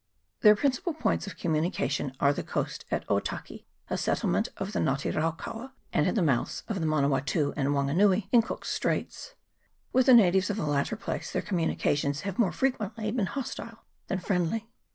Their principal points of communication are the coast at Otaki, a settlement of the Nga te rau kaua, and at the mouths of the Manawatu and Wanganui, in Cook's Straits. With the natives of the latter place their communications have more frequently been hostile than friendly.